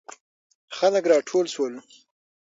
خلک راټول سول.